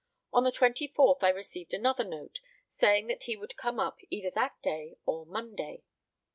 On the 24th I received another note, saying that he would come up either that day or Monday.